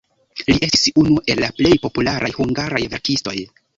Li estis unu el plej popularaj hungaraj verkistoj.